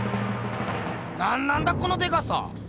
なんなんだこのでかさ！